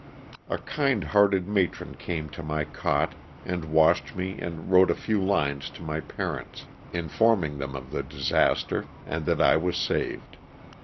A kind hearted matron came to my cot and washed me and wrote a few lines to my parents, informing them of the disaster, and that I was saved.